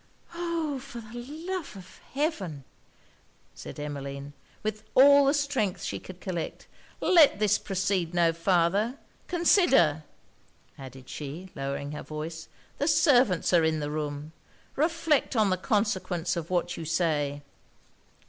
'Oh! for the love of heaven!' said Emmeline, with all the strength she could collect, 'let this proceed no farther. Consider,' added she, lowering her voice, 'the servants are in the room. Reflect on the consequence of what you say.'